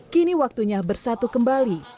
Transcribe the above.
kini waktunya bersatu kembali